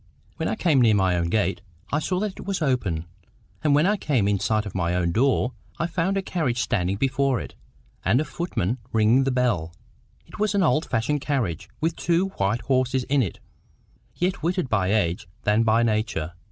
When I came near my own gate, I saw that it was open; and when I came in sight of my own door, I found a carriage standing before it, and a footman ringing the bell. It was an old fashioned carriage, with two white horses in it, yet whiter by age than by nature.